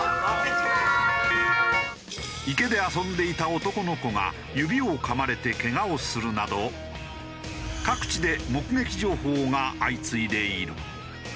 池で遊んでいた男の子が指をかまれてけがをするなど各地で目撃情報が相次いでいる。